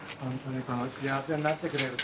幸せになってくれると。